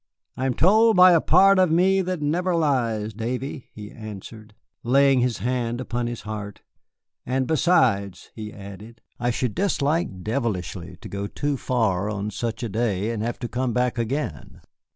"I am told by a part of me that never lies, Davy," he answered, laying his hand upon his heart; "and besides," he added, "I should dislike devilishly to go too far on such a day and have to come back again."